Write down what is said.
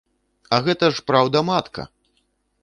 А гэта ж праўда-матка!